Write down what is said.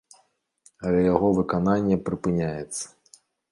Але яго выкананне прыпыняецца.